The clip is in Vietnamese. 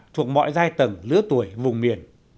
thuộc mọi giai tầng lứa tuổi vùng miền